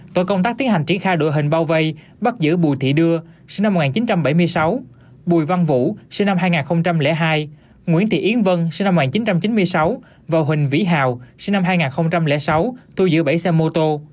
tội công tác tiến hành triển khai đội hình bao vây bắt giữ bùi thị đưa sinh năm một nghìn chín trăm bảy mươi sáu bùi văn vũ sinh năm hai nghìn hai nguyễn thị yến vân sinh năm một nghìn chín trăm chín mươi sáu và huỳnh vĩ hào sinh năm hai nghìn sáu thu giữ bảy xe mô tô